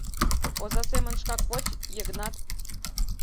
Оза семын шкак поч, Йыгнат.